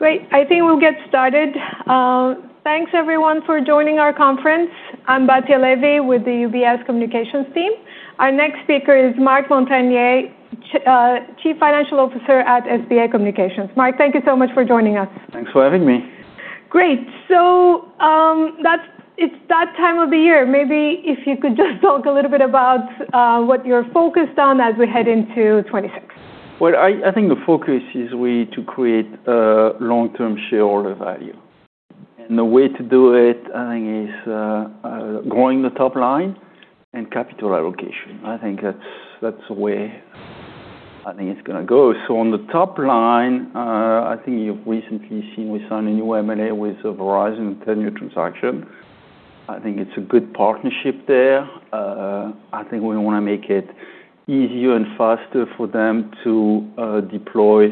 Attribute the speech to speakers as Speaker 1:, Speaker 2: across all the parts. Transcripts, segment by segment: Speaker 1: Great. I think we'll get started. Thanks, everyone, for joining our conference. I'm Batya Levi with the UBS Communications Team. Our next speaker is Marc Montagner, Chief Financial Officer at SBA Communications. Marc, thank you so much for joining us.
Speaker 2: Thanks for having me.
Speaker 1: Great. So it's that time of the year. Maybe if you could just talk a little bit about what you're focused on as we head into 2026.
Speaker 2: I think the focus is really to create a long-term shareholder value. The way to do it, I think, is growing the top line and capital allocation. I think that's the way I think it's going to go. On the top line, I think you've recently seen we signed a new MLA with Verizon and ten-year transaction. I think it's a good partnership there. I think we want to make it easier and faster for them to deploy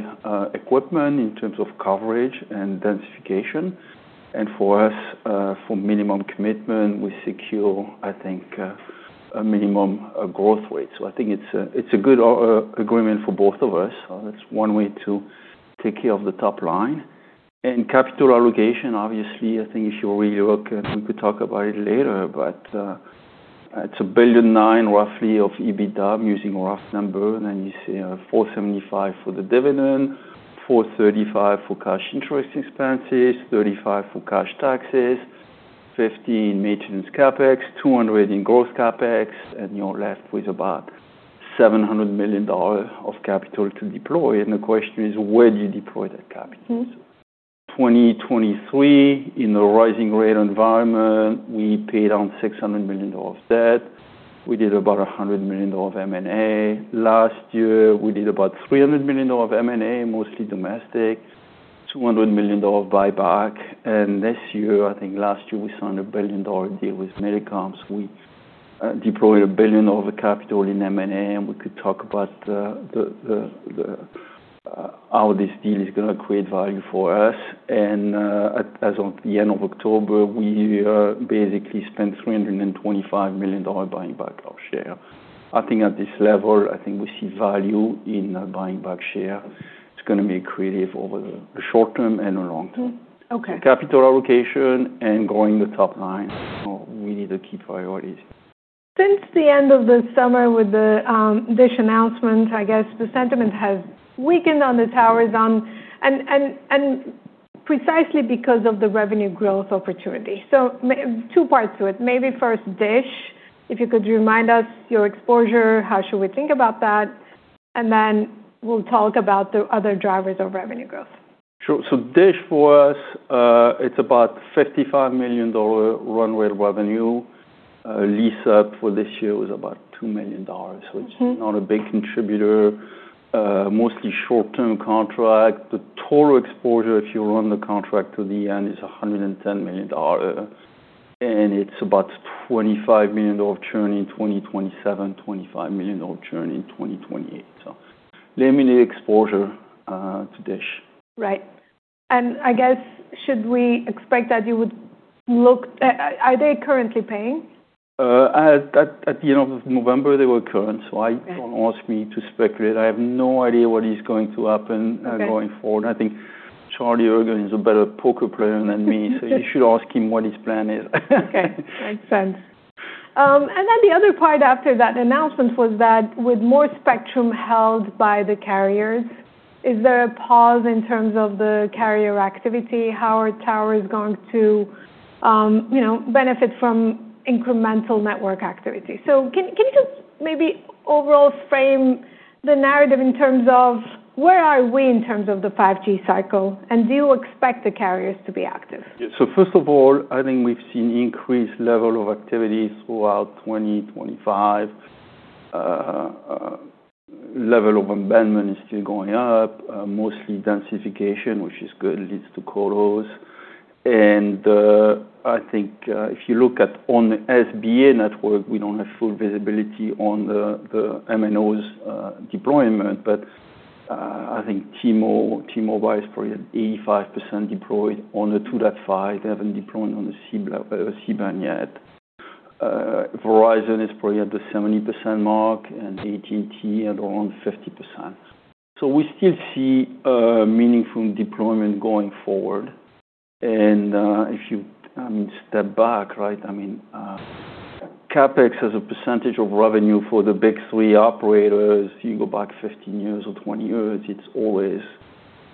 Speaker 2: equipment in terms of coverage and densification. For us, for minimum commitment, we secure, I think, a minimum growth rate. I think it's a good agreement for both of us. That's one way to take care of the top line. And capital allocation, obviously. I think if you really look, we could talk about it later, but it's $1.9 billion, roughly, of EBITDA using a rough number. Then you see $475 million for the dividend, $435 million for cash interest expenses, $35 million for cash taxes, $50 million in maintenance CapEx, $200 million in gross CapEx, and you're left with about $700 million of capital to deploy. And the question is, where do you deploy that capital?
Speaker 1: Mm-hmm.
Speaker 2: 2023, in a rising rate environment, we paid on $600 million of debt. We did about $100 million of M&A. Last year, we did about $300 million of M&A, mostly domestic, $200 million of buyback. This year, I think last year we signed a billion-dollar deal with Millicom. We deployed $1 billion of capital in M&A, and we could talk about how this deal is going to create value for us. As of the end of October, we basically spent $325 million buying back our share. I think at this level, I think we see value in buying back share. It's going to be accretive over the short term and the long term.
Speaker 1: Okay.
Speaker 2: Capital allocation and growing the top line. We need to keep priorities.
Speaker 1: Since the end of the summer with DISH announcement, I guess the sentiment has weakened on the Towers and precisely because of the revenue growth opportunity. So two parts to it. Maybe first, DISH, if you could remind us your exposure, how should we think about that? And then we'll talk about the other drivers of revenue growth.
Speaker 2: Sure, so DISH for us, it's about $55 million run-rate revenue. Lease up for this year was about $2 million, which is not a big contributor, mostly short-term contract. The total exposure, if you run the contract to the end, is $110 million, and it's about $25 million of churn in 2027, $25 million of churn in 2028, so limited exposure to DISH.
Speaker 1: Right. And I guess should we expect that you would look? Are they currently paying?
Speaker 2: At the end of November, they were current. So don't ask me to speculate. I have no idea what is going to happen going forward. I think Charlie Ergen is a better poker player than me. So you should ask him what his plan is.
Speaker 1: Okay. Makes sense. And then the other part after that announcement was that with more spectrum held by the carriers, is there a pause in terms of the carrier activity? How are towers going to benefit from incremental network activity? So can you just maybe overall frame the narrative in terms of where are we in terms of the 5G cycle? And do you expect the carriers to be active?
Speaker 2: First of all, I think we've seen increased level of activity throughout 2025. Level of amendment is still going up, mostly densification, which is good, leads to co-los. And I think if you look at on the SBA network, we don't have full visibility on the MNOs deployment, but I think T-Mobile is probably at 85% deployed on the 2.5. They haven't deployed on the C-band yet. Verizon is probably at the 70% mark and AT&T at around 50%. So we still see meaningful deployment going forward. And if you step back, right, I mean, CapEx as a percentage of revenue for the big three operators, you go back 15 years or 20 years, it's always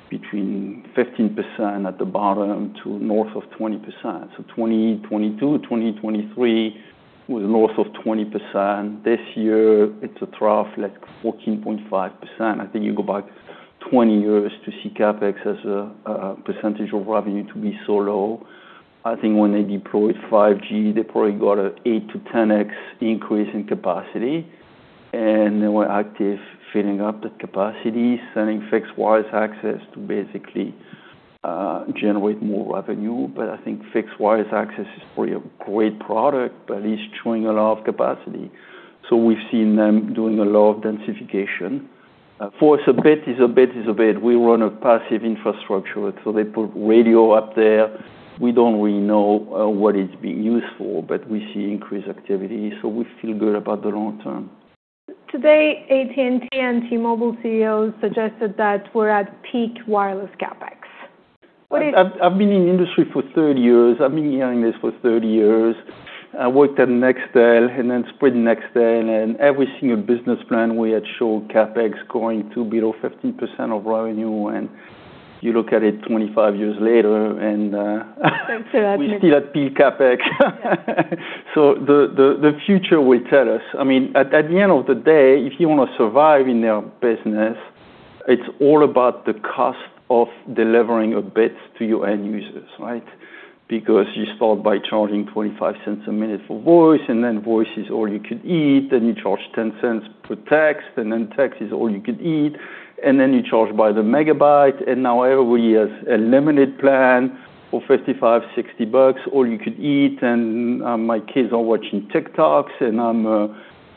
Speaker 2: between 15% at the bottom to north of 20%. So 2022, 2023, it was north of 20%. This year, it's a trough, like 14.5%. I think you go back 20 years to see CapEx as a percentage of revenue to be so low. I think when they deployed 5G, they probably got an 8x-10x increase in capacity, and they were active filling up that capacity, sending fixed wireless access to basically generate more revenue, but I think fixed wireless access is probably a great product, but it's chewing a lot of capacity, so we've seen them doing a lot of densification. For us, a bit is a bit is a bit. We run a passive infrastructure, so they put radio up there. We don't really know what it's being used for, but we see increased activity, so we feel good about the long term.
Speaker 1: Today, AT&T and T-Mobile CEOs suggested that we're at peak wireless CapEx. What is?
Speaker 2: I've been in the industry for 30 years. I've been hearing this for 30 years. I worked at Nextel and then Sprint Nextel, and every single business plan we had showed CapEx going to below 15% of revenue, and you look at it 25 years later and.
Speaker 1: That's so admin.
Speaker 2: We're still at peak CapEx. So the future will tell us. I mean, at the end of the day, if you want to survive in their business, it's all about the cost of delivering a bit to your end users, right? Because you start by charging $0.25 a minute for voice, and then voice is all you could eat. Then you charge 10 cents per text, and then text is all you could eat. And then you charge by the megabyte. And now everybody has a limited plan for $55-$60, all you could eat. And my kids are watching TikToks, and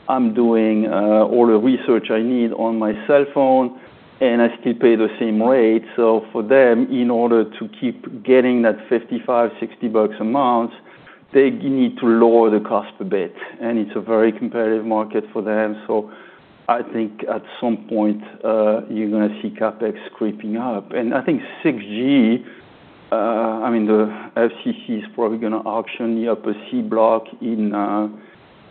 Speaker 2: I'm doing all the research I need on my cell phone, and I still pay the same rate. So for them, in order to keep getting that $55-$60 a month, they need to lower the cost a bit. It's a very competitive market for them. I think at some point, you're going to see CapEx creeping up. I think 6G, I mean, the FCC is probably going to auction the upper C block in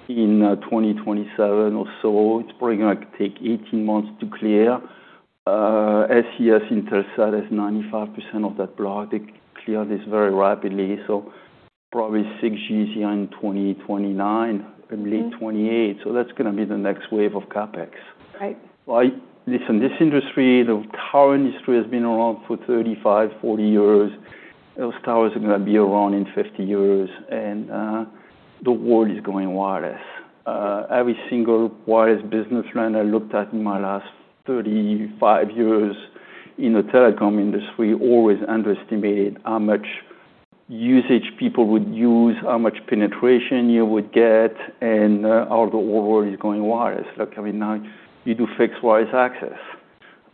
Speaker 2: 2027 or so. It's probably going to take 18 months to clear. SES, Intelsat has 95% of that block. They cleared this very rapidly. Probably 6G is here in 2029, early 2028. That's going to be the next wave of CapEx.
Speaker 1: Right.
Speaker 2: Listen, this industry, the tower industry has been around for 35 years, 40 years. Those towers are going to be around in 50 years. And the world is going wireless. Every single wireless business plan I looked at in my last 35 years in the telecom industry always underestimated how much usage people would use, how much penetration you would get, and how the whole world is going wireless. I mean, now you do fixed wireless access.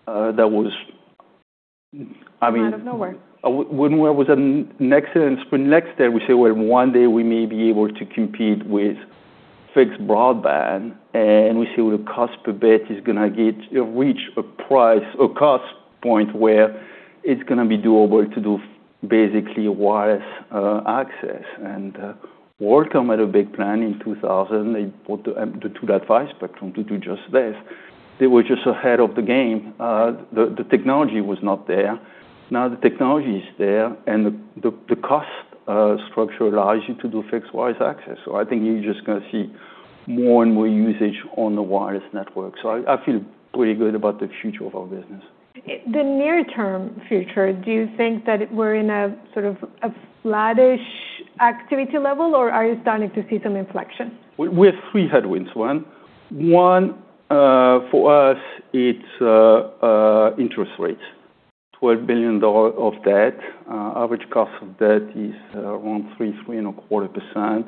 Speaker 2: That was, I mean.
Speaker 1: Out of nowhere.
Speaker 2: When I was at Nextel and Sprint Nextel, we said, "Well, one day we may be able to compete with fixed broadband," and we said the cost per bit is going to reach a cost point where it's going to be doable to do basically wireless access, and WorldCom had a big plan in 2000. They brought the 2-to-2 network to do just this. They were just ahead of the game. The technology was not there. Now the technology is there, and the cost structure allows you to do fixed wireless access, so I think you're just going to see more and more usage on the wireless network, so I feel pretty good about the future of our business.
Speaker 1: The near-term future, do you think that we're in a sort of a flattish activity level, or are you starting to see some inflection?
Speaker 2: We have three headwinds. One, one for us, it's interest rates. $12 billion of debt. Average cost of debt is around 3, 3 and a quarter percent.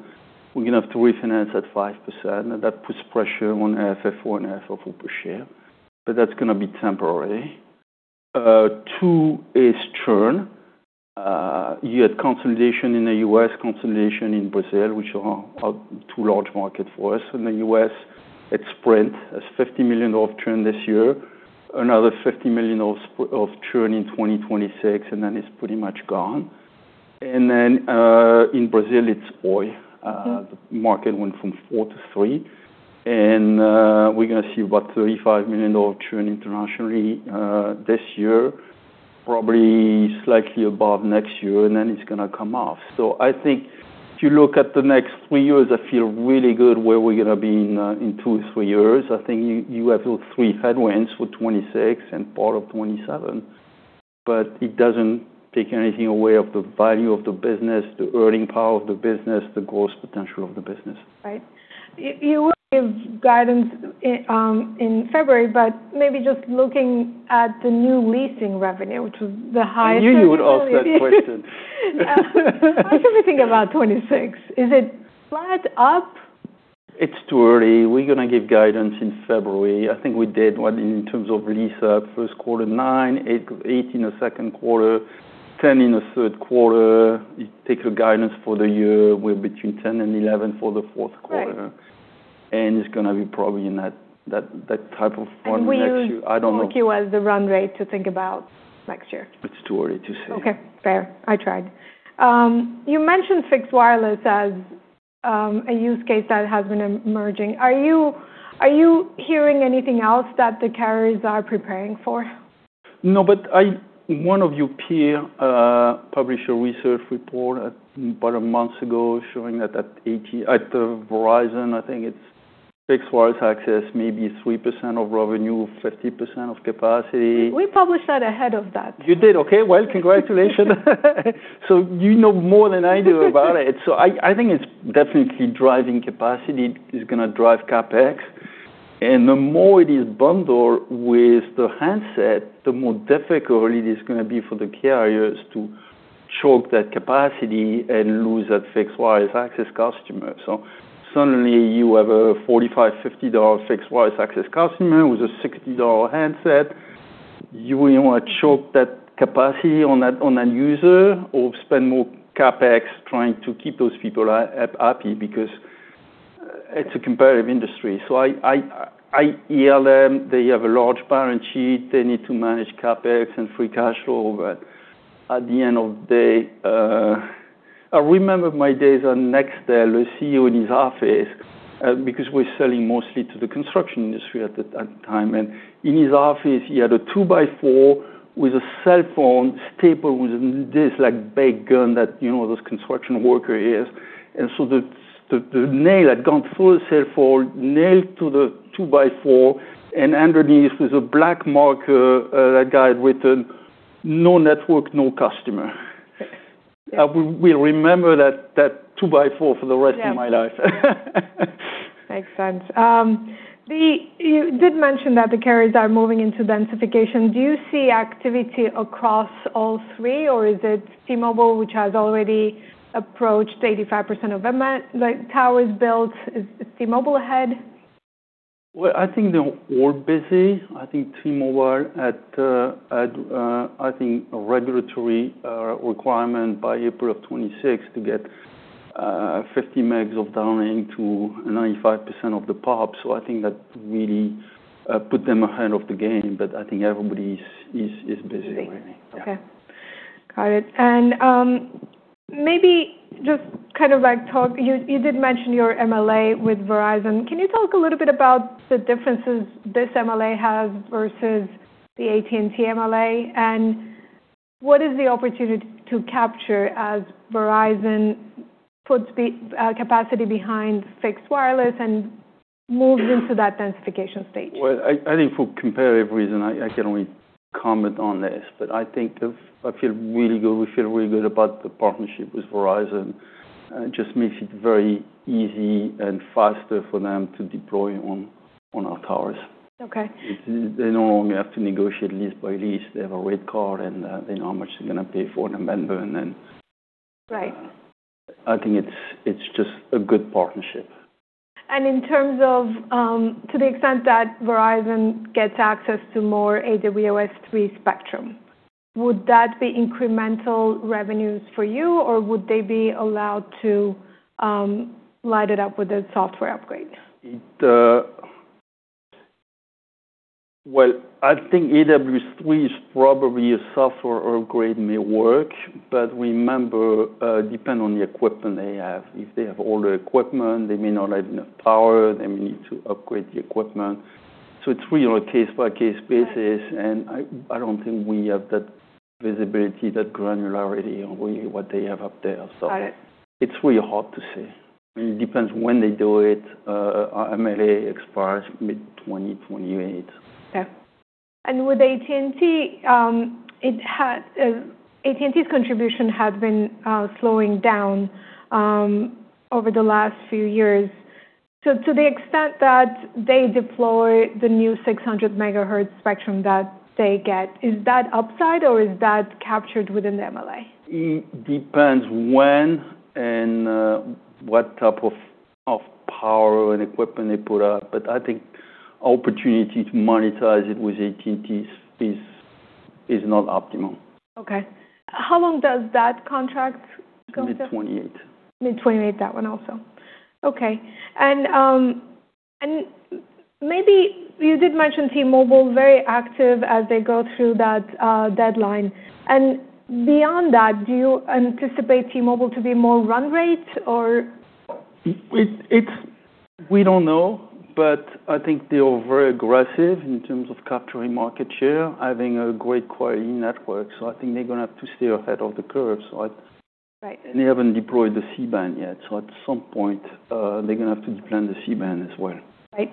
Speaker 2: We're going to have to refinance at 5%, and that puts pressure on FFO and FFO per share. But that's going to be temporary. Two is churn. You had consolidation in the U.S., consolidation in Brazil, which are two large markets for us. In the U.S., it's Sprint. That's $50 million of churn this year. Another $50 million of churn in 2026, and then it's pretty much gone, and then in Brazil, it's Oi. The market went from four to three, and we're going to see about $35 million of churn internationally this year, probably slightly above next year, and then it's going to come off. So I think if you look at the next three years, I feel really good where we're going to be in two or three years. I think you have those three headwinds for 2026 and part of 2027, but it doesn't take anything away from the value of the business, the earning power of the business, the growth potential of the business.
Speaker 1: Right. You will give guidance in February, but maybe just looking at the new leasing revenue, which was the highest.
Speaker 2: I knew you would ask that question.
Speaker 1: What do you think about 2026? Is it flat up?
Speaker 2: It's too early. We're going to give guidance in February. I think we did one in terms of lease up, first quarter 9, 8 in the second quarter, 10 in the third quarter. You take the guidance for the year. We're between 10 and 11 for the fourth quarter, and it's going to be probably that type of runway next year. I don't know.
Speaker 1: We're looking at the runway to think about next year.
Speaker 2: It's too early to say.
Speaker 1: Okay. Fair. I tried. You mentioned fixed wireless as a use case that has been emerging. Are you hearing anything else that the carriers are preparing for?
Speaker 2: No, but one of your peers published a research report about a month ago, showing that at Verizon, I think it's fixed wireless access, maybe 3% of revenue, 50% of capacity.
Speaker 1: We published that ahead of that.
Speaker 2: You did? Okay. Well, congratulations. So you know more than I do about it. So I think it's definitely driving capacity is going to drive CapEx. And the more it is bundled with the handset, the more difficult it is going to be for the carriers to choke that capacity and lose that fixed wireless access customer. So suddenly you have a $45-$50 fixed wireless access customer with a $60 handset. You want to choke that capacity on an end user or spend more CapEx trying to keep those people happy because it's a competitive industry. So I hear them. They have a large balance sheet. They need to manage CapEx and free cash flow. But at the end of the day, I remember my days on Nextel, the CEO in his office, because we're selling mostly to the construction industry at the time. And in his office, he had a 2x4 with a cell phone stapled with this big gun that those construction workers use. And so the nail had gone through the cell phone, nailed to the 2x4, and underneath was a black marker that had written, "No network, no customer." We'll remember that 2x4 for the rest of my life.
Speaker 1: Makes sense. You did mention that the carriers are moving into densification. Do you see activity across all three, or is it T-Mobile, which has already approached 85% of towers built? Is T-Mobile ahead?
Speaker 2: I think they're all busy. I think T-Mobile had, I think, a regulatory requirement by April of 2026 to get 50 megs of downlink to 95% of the pop. So I think that really put them ahead of the game. But I think everybody is busy.
Speaker 1: Busy. Okay. Got it. And maybe just kind of like talk. You did mention your MLA with Verizon. Can you talk a little bit about the differences this MLA has versus the AT&T MLA? And what is the opportunity to capture as Verizon puts capacity behind fixed wireless and moves into that densification stage?
Speaker 2: I think for comparative reasons, I can only comment on this. I think I feel really good. We feel really good about the partnership with Verizon. It just makes it very easy and faster for them to deploy on our towers. They no longer have to negotiate lease by lease. They have a rate card, and they know how much they're going to pay for an amendment. I think it's just a good partnership.
Speaker 1: In terms of to the extent that Verizon gets access to more AWS-3 spectrum, would that be incremental revenues for you, or would they be allowed to light it up with a software upgrade?
Speaker 2: I think AWS-3 is probably a software upgrade may work, but remember, it depends on the equipment they have. If they have all the equipment, they may not have enough power. They may need to upgrade the equipment. It's really on a case-by-case basis. I don't think we have that visibility, that granularity on really what they have up there. It's really hard to say. I mean, it depends when they do it. MLA expires mid-2028.
Speaker 1: Okay. And with AT&T, AT&T's contribution has been slowing down over the last few years. So to the extent that they deploy the new 600 MHz spectrum that they get, is that upside or is that captured within the MLA?
Speaker 2: It depends when and what type of power and equipment they put up, but I think opportunity to monetize it with AT&T is not optimal.
Speaker 1: Okay. How long does that contract go to?
Speaker 2: Mid-28.
Speaker 1: Mid-28, that one also. Okay. And maybe you did mention T-Mobile very active as they go through that deadline. And beyond that, do you anticipate T-Mobile to be more run rate or?
Speaker 2: We don't know, but I think they are very aggressive in terms of capturing market share, having a great quality network. So I think they're going to have to stay ahead of the curve. So they haven't deployed the C-band yet. So at some point, they're going to have to deploy the C-band as well.
Speaker 1: Right.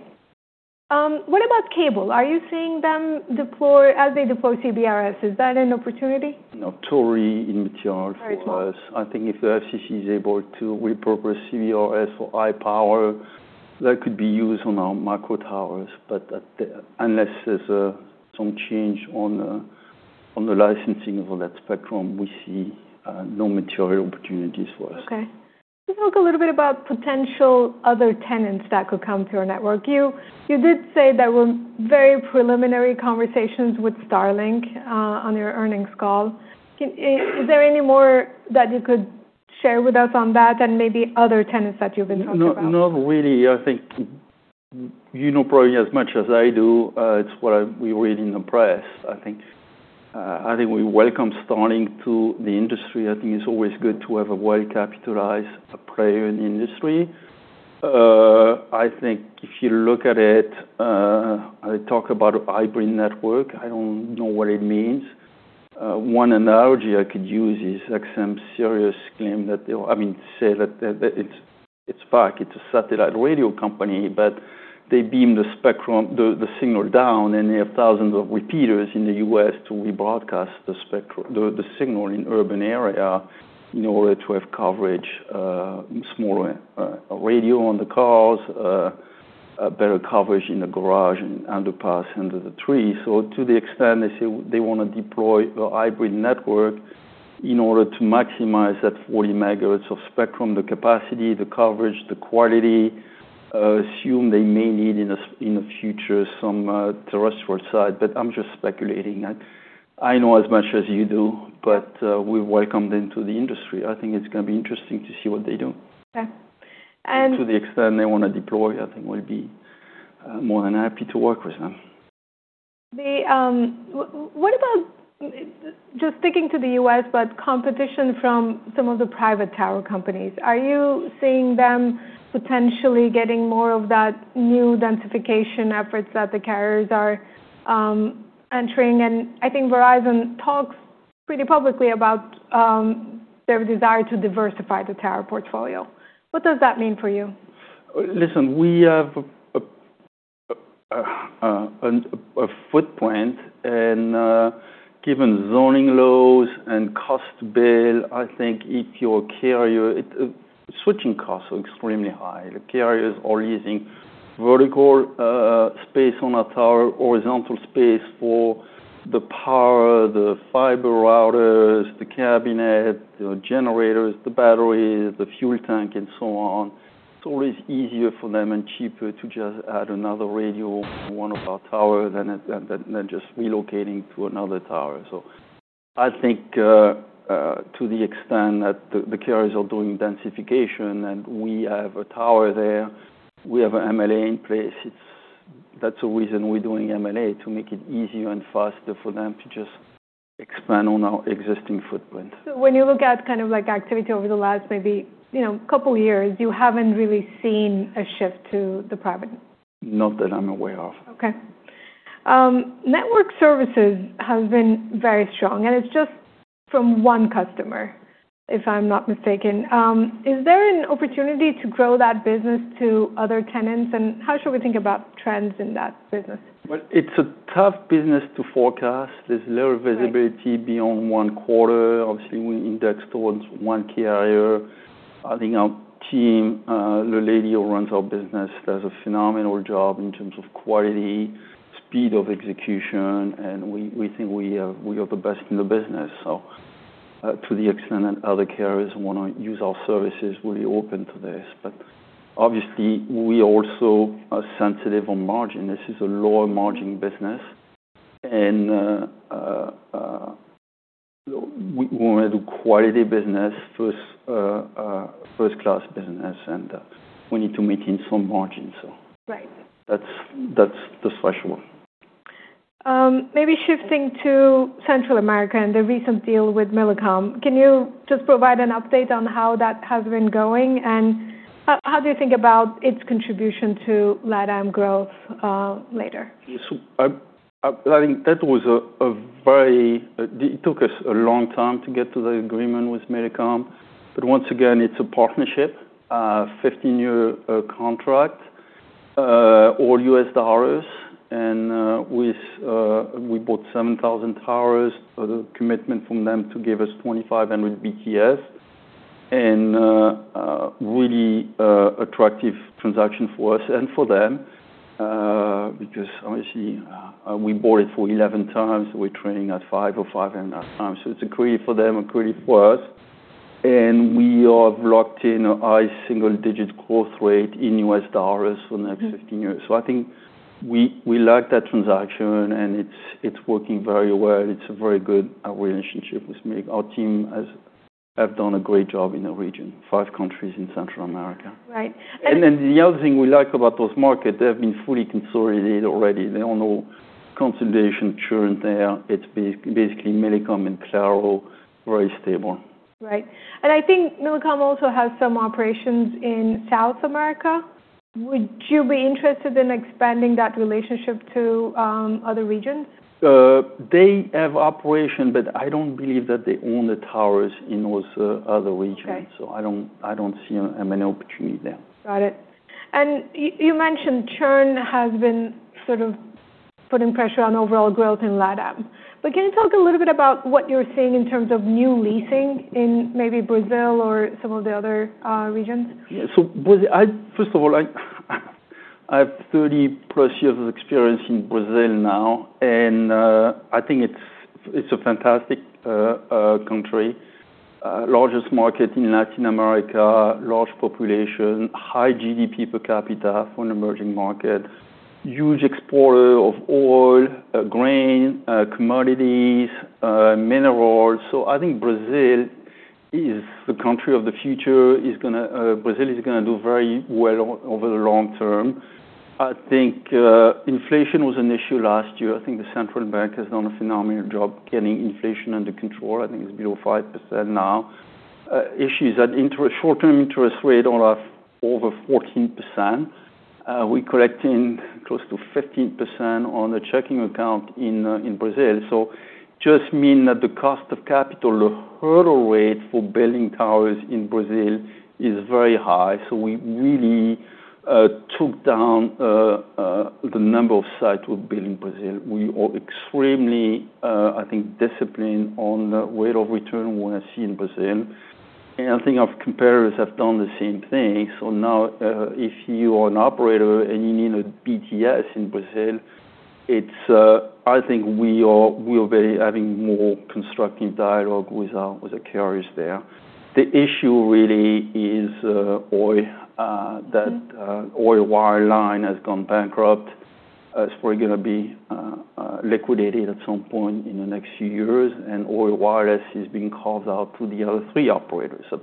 Speaker 1: What about cable? Are you seeing them deploy as they deploy CBRS? Is that an opportunity?
Speaker 2: Not material for us. I think if the FCC is able to repurpose CBRS for high power, that could be used on our micro towers. But unless there's some change on the licensing of that spectrum, we see no material opportunities for us.
Speaker 1: Okay. Let's talk a little bit about potential other tenants that could come to our network. You did say there were very preliminary conversations with Starlink on your earnings call. Is there any more that you could share with us on that and maybe other tenants that you've been talking about?
Speaker 2: Not really. I think you know probably as much as I do. It's what we read in the press. I think we welcome Starlink to the industry. I think it's always good to have a well-capitalized player in the industry. I think if you look at it, they talk about hybrid network. I don't know what it means. One analogy I could use is XM Sirius claim that they'll, I mean, say that it's back. It's a satellite radio company, but they beam the signal down, and they have thousands of repeaters in the U.S. to rebroadcast the signal in urban area in order to have coverage, smaller radio on the cars, better coverage in the garage and underpass under the trees. So to the extent they say they want to deploy a hybrid network in order to maximize that 40 MHz of spectrum, the capacity, the coverage, the quality, assume they may need in the future some terrestrial side. But I'm just speculating. I know as much as you do, but we've welcomed them to the industry. I think it's going to be interesting to see what they do.
Speaker 1: Okay. And.
Speaker 2: To the extent they want to deploy, I think we'll be more than happy to work with them.
Speaker 1: What about just sticking to the U.S., but competition from some of the private tower companies? Are you seeing them potentially getting more of that new densification efforts that the carriers are entering? And I think Verizon talks pretty publicly about their desire to diversify the tower portfolio. What does that mean for you?
Speaker 2: Listen, we have a footprint, and given zoning laws and cost to build, I think if you're a carrier, switching costs are extremely high. The carriers are leasing vertical space on our tower, horizontal space for the power, the fiber routers, the cabinet, the generators, the batteries, the fuel tank, and so on. It's always easier for them and cheaper to just add another radio on one of our towers than just relocating to another tower. So I think to the extent that the carriers are doing densification and we have a tower there, we have an MLA in place, that's the reason we're doing MLA, to make it easier and faster for them to just expand on our existing footprint.
Speaker 1: So when you look at kind of activity over the last maybe couple of years, you haven't really seen a shift to the private?
Speaker 2: Not that I'm aware of.
Speaker 1: Okay. Network services have been very strong, and it's just from one customer, if I'm not mistaken. Is there an opportunity to grow that business to other tenants? And how should we think about trends in that business?
Speaker 2: It's a tough business to forecast. There's little visibility beyond one quarter. Obviously, we index towards one carrier. I think our team, the lady who runs our business, does a phenomenal job in terms of quality, speed of execution, and we think we are the best in the business. To the extent that other carriers want to use our services, we'll be open to this. But obviously, we also are sensitive on margin. This is a low-margin business, and we want to do quality business, first-class business, and we need to maintain some margin. That's the threshold.
Speaker 1: Maybe shifting to Central America and the recent deal with Millicom, can you just provide an update on how that has been going, and how do you think about its contribution to LATAM growth later?
Speaker 2: I think it took us a long time to get to the agreement with Millicom, but once again, it's a partnership, 15-year contract, all US dollars. We bought 7,000 towers, a commitment from them to give us 2,500 BTS, and really attractive transaction for us and for them because obviously, we bought it for 11 times. We're trading at 5 or 5 and a half times. So it's a accretive for them and accretive for us. We are locked in a high single-digit growth rate in US dollars for the next 15 years. I think we like that transaction, and it's working very well. It's a very good relationship with Millicom. Our team has done a great job in the region, five countries in Central America, and then the other thing we like about those markets, they have been fully consolidated already. They don't know consolidation churn there. It's basically Millicom and Claro, very stable.
Speaker 1: Right. And I think Millicom also has some operations in South America. Would you be interested in expanding that relationship to other regions?
Speaker 2: They have operations, but I don't believe that they own the towers in those other regions. So I don't see any opportunity there.
Speaker 1: Got it. And you mentioned churn has been sort of putting pressure on overall growth in LATAM. But can you talk a little bit about what you're seeing in terms of new leasing in maybe Brazil or some of the other regions?
Speaker 2: Yeah. So first of all, I have 30-plus years of experience in Brazil now, and I think it's a fantastic country, largest market in Latin America, large population, high GDP per capita for an emerging market, huge exporter of oil, grain, commodities, minerals. So I think Brazil is the country of the future. Brazil is going to do very well over the long term. I think inflation was an issue last year. I think the central bank has done a phenomenal job getting inflation under control. I think it's below 5% now. Issues that short-term interest rate on over 14%. We're collecting close to 15% on the checking account in Brazil. So it just means that the cost of capital, the hurdle rate for building towers in Brazil is very high. So we really took down the number of sites we're building in Brazil. We are extremely, I think, disciplined on the rate of return we want to see in Brazil, and I think our competitors have done the same thing, so now, if you are an operator and you need a BTS in Brazil, I think we are having more constructive dialogue with the carriers there. The issue really is Oi. That Oi wireline has gone bankrupt. It's probably going to be liquidated at some point in the next few years, and Oi wireless is being carved out to the other three operators, so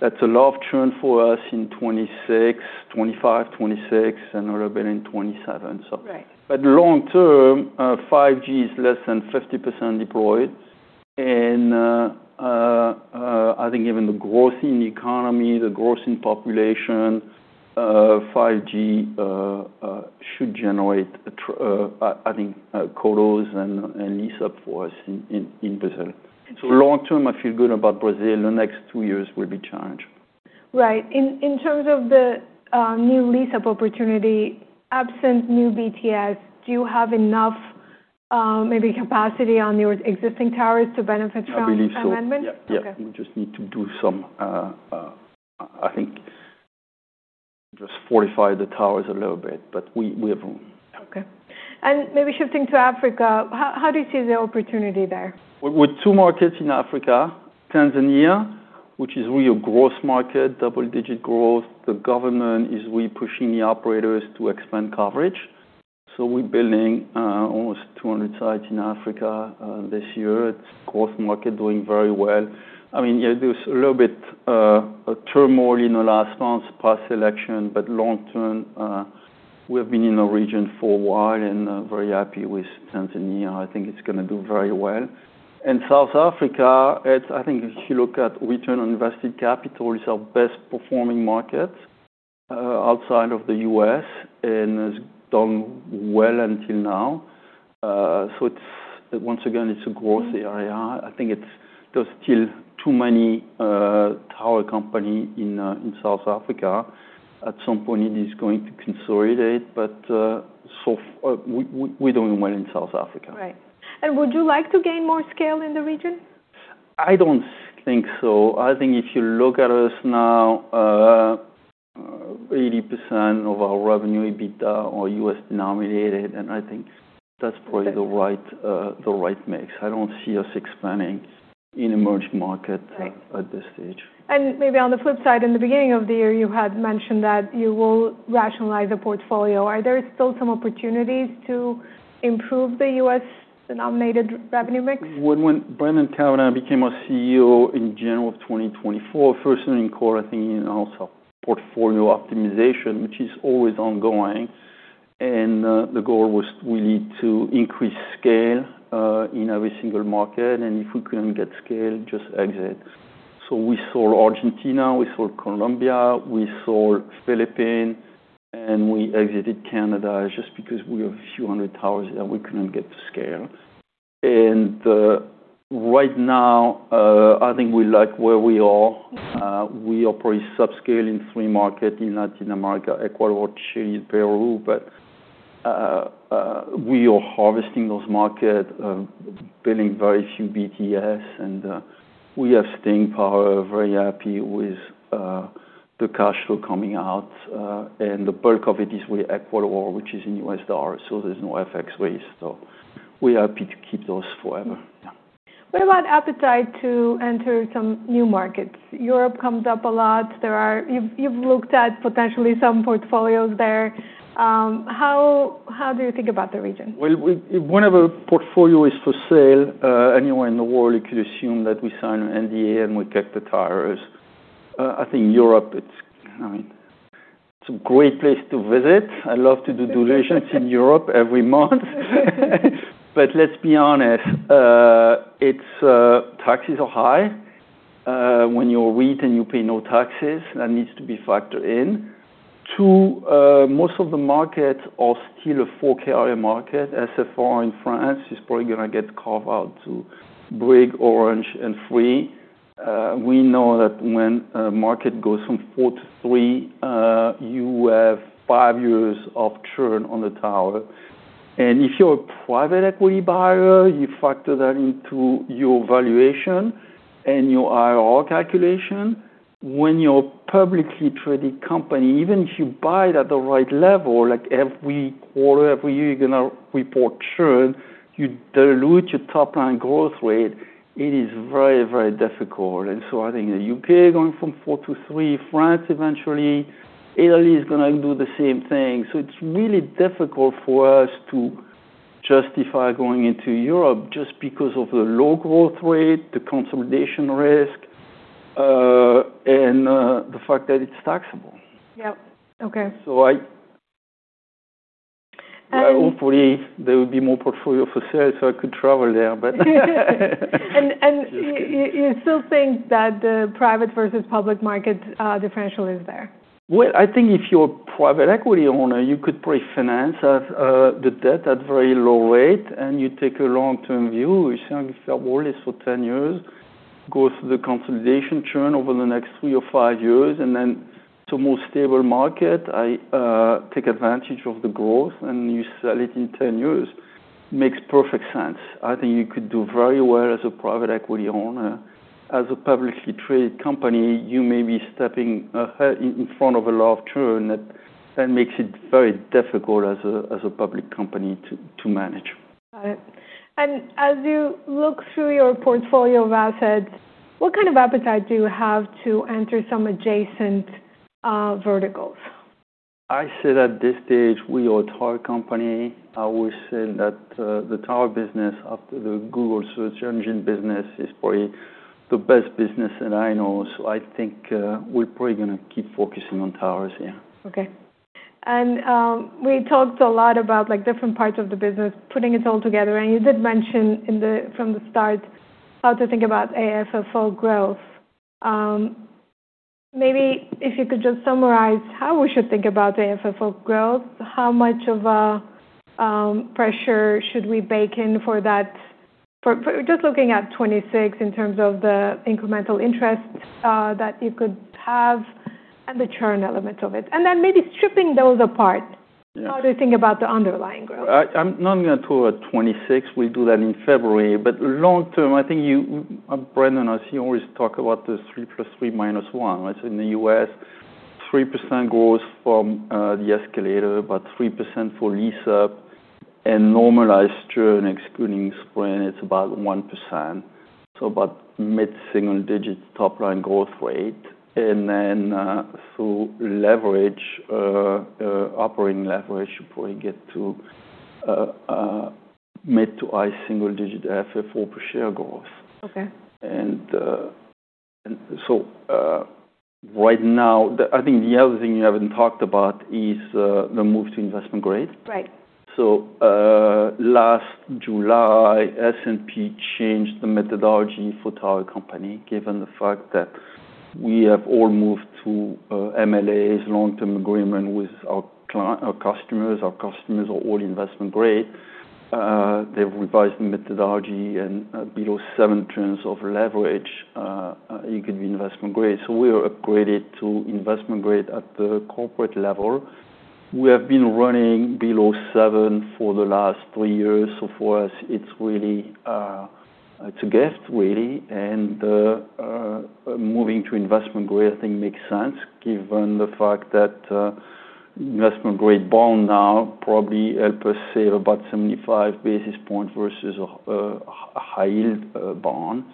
Speaker 2: that's a lot of churn for us in 2026, 2025, 2026, and a little bit in 2027, but long-term, 5G is less than 50% deployed, and I think even the growth in the economy, the growth in population, 5G should generate, I think, colos and lease up for us in Brazil, so long-term, I feel good about Brazil. The next two years will be challenged.
Speaker 1: Right. In terms of the new lease-up opportunity, absent new BTS, do you have enough maybe capacity on your existing towers to benefit from amendment?
Speaker 2: I believe so. Yeah. We just need to do some, I think, just fortify the towers a little bit, but we have room.
Speaker 1: Okay, and maybe shifting to Africa, how do you see the opportunity there?
Speaker 2: We're two markets in Africa, Tanzania, which is really a growth market, double-digit growth. The government is really pushing the operators to expand coverage. So we're building almost 200 sites in Africa this year. It's a growth market, doing very well. I mean, there's a little bit of turmoil in the last months past election, but long-term, we have been in the region for a while and very happy with Tanzania. I think it's going to do very well. And South Africa, I think if you look at return on invested capital, it's our best-performing market outside of the US and has done well until now. So once again, it is a growth area. I think there's still too many tower companies in South Africa. At some point, it is going to consolidate, but we're doing well in South Africa.
Speaker 1: Right. Would you like to gain more scale in the region?
Speaker 2: I don't think so. I think if you look at us now, 80% of our revenue EBITDA are U.S.-denominated, and I think that's probably the right mix. I don't see us expanding in emerging markets at this stage.
Speaker 1: Maybe on the flip side, in the beginning of the year, you had mentioned that you will rationalize the portfolio. Are there still some opportunities to improve the U.S.-denominated revenue mix?
Speaker 2: When Brendan Cavanagh became our CEO in January of 2024, first thing he called, I think, in our portfolio optimization, which is always ongoing, and the goal was really to increase scale in every single market, and if we couldn't get scale, just exit, so we sold Argentina, we sold Colombia, we sold Philippines, and we exited Canada just because we have a few hundred towers that we couldn't get to scale. And right now, I think we like where we are. We are probably subscaling three markets in Latin America: Ecuador, Chile, Peru, but we are harvesting those markets, building very few BTS, and we have staying power, very happy with the cash flow coming out, and the bulk of it is with Ecuador, which is in US dollars, so there's no FX rates, so we're happy to keep those forever. Yeah.
Speaker 1: What about appetite to enter some new markets? Europe comes up a lot. You've looked at potentially some portfolios there. How do you think about the region?
Speaker 2: If one of the portfolios is for sale anywhere in the world, you could assume that we sign an NDA and we get the towers. I think Europe, I mean, it's a great place to visit. I love vacations in Europe every month. But let's be honest, taxes are high when you're REIT and you pay no taxes. That needs to be factored in. Two, most of the markets are still a four-carrier market. SFR in France is probably going to get carved out to Bouygues, Orange, and Free. We know that when a market goes from four to three, you have five years of churn on the tower, and if you're a private equity buyer, you factor that into your valuation and your IRR calculation. When you're a publicly traded company, even if you buy it at the right level, like every quarter, every year, you're going to report churn, you dilute your top-line growth rate, it is very, very difficult, and so I think the U.K. going from four to three, France eventually, Italy is going to do the same thing, so it's really difficult for us to justify going into Europe just because of the low growth rate, the consolidation risk, and the fact that it's taxable.
Speaker 1: Yep. Okay.
Speaker 2: Hopefully, there would be more portfolio for sale so I could travel there, but.
Speaker 1: You still think that the private versus public market differential is there?
Speaker 2: I think if you're a private equity owner, you could probably finance the debt at very low rate, and you take a long-term view. You sell your shareholders for 10 years, go through the consolidation churn over the next three or five years, and then it's a more stable market. I take advantage of the growth, and you sell it in 10 years. Makes perfect sense. I think you could do very well as a private equity owner. As a publicly traded company, you may be stepping ahead in front of a lot of churn that makes it very difficult as a public company to manage.
Speaker 1: Got it. And as you look through your portfolio of assets, what kind of appetite do you have to enter some adjacent verticals?
Speaker 2: I say that at this stage, we are a tower company. I would say that the tower business, after the Google search engine business, is probably the best business that I know. So I think we're probably going to keep focusing on towers here.
Speaker 1: Okay, and we talked a lot about different parts of the business, putting it all together, and you did mention from the start how to think about AFFO growth. Maybe if you could just summarize how we should think about AFFO growth, how much of a pressure should we bake in for that, just looking at 2026 in terms of the incremental interest that you could have and the churn element of it? And then maybe stripping those apart, how do you think about the underlying growth?
Speaker 2: I'm not going to talk about 2026. We'll do that in February but long-term, I think Brendan and I, he always talk about the 3 plus 3 minus 1. So in the U.S., 3% growth from the escalator, about 3% for lease-up, and normalized churn, excluding Sprint, it's about 1%. So about mid-single-digit top-line growth rate. And then through leverage, operating leverage, you probably get to mid- to high single-digit AFFO per share growth. And so right now, I think the other thing you haven't talked about is the move to investment grade. So last July, S&P changed the methodology for tower companies given the fact that we have all moved to MLAs, long-term agreement with our customers. Our customers are all investment grade. They've revised the methodology, and below 7x leverage, you could be investment grade. So we are upgraded to investment grade at the corporate level. We have been running below seven for the last three years. So for us, it's really a gift, really. And moving to investment grade, I think, makes sense given the fact that investment grade bond now probably helps us save about 75 basis points versus a high-yield bond.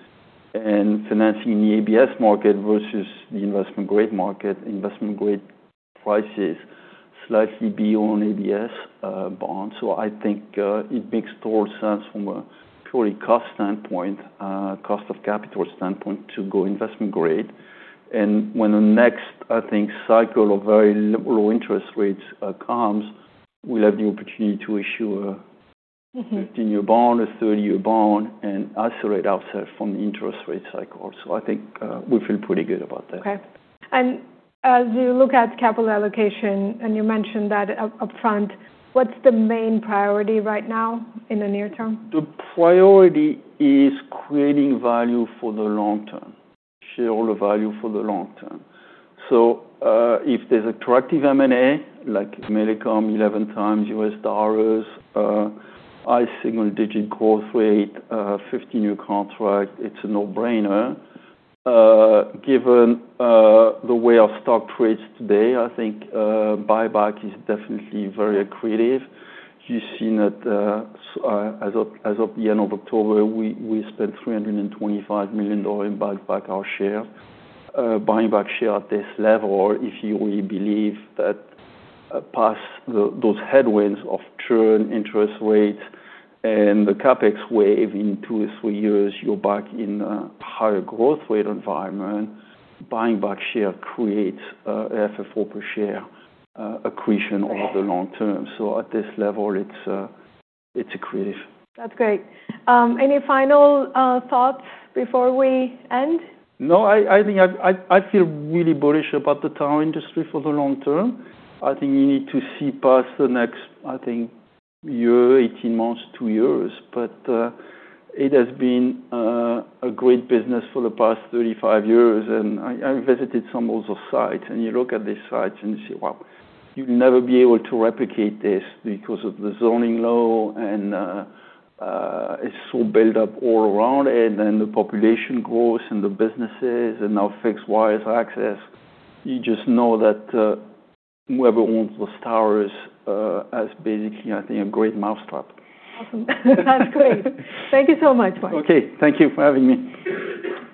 Speaker 2: And financing in the ABS market versus the investment grade market, investment grade price is slightly beyond ABS bonds. So I think it makes total sense from a purely cost standpoint, cost of capital standpoint, to go investment grade. And when the next, I think, cycle of very low interest rates comes, we'll have the opportunity to issue a 15-year bond, a 30-year bond, and isolate ourselves from the interest rate cycle. So I think we feel pretty good about that.
Speaker 1: Okay. As you look at capital allocation, and you mentioned that upfront, what's the main priority right now in the near term?
Speaker 2: The priority is creating value for the long term, shareholder value for the long term. So if there's attractive M&A, like Millicom 11x U.S. Dollars, high single-digit growth rate, 15-year contract, it's a no-brainer. Given the way our stock trades today, I think buyback is definitely very accretive. You've seen that as of the end of October, we spent $325 million in buyback our share. Buying back share at this level, if you really believe that past those headwinds of churn, interest rates, and the CapEx wave in two or three years, you're back in a higher growth rate environment, buying back share creates AFFO per share accretion over the long term. So at this level, it's accretive.
Speaker 1: That's great. Any final thoughts before we end?
Speaker 2: No, I think I feel really bullish about the tower industry for the long term. I think you need to see past the next, I think, one year, 18 months, two years, but it has been a great business for the past 35 years, and I visited some of those sites, and you look at these sites and you say, "Wow, you'll never be able to replicate this because of the zoning law, and it's so built up all around it, and the population growth and the businesses and now fixed wireless access." You just know that whoever owns those towers has basically, I think, a great mousetrap.
Speaker 1: Awesome. That's great. Thank you so much, Marc.
Speaker 2: Okay. Thank you for having me. Thank you.